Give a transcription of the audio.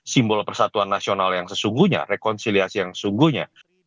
simbol persatuan nasional yang sesungguhnya rekonsiliasi yang sungguhnya